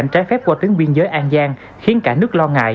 tết qua tuyến biên giới an giang khiến cả nước lo ngại